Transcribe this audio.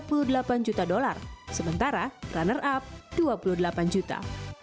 tim juara dapat tiga puluh delapan juta dolar sementara runner up dua puluh delapan juta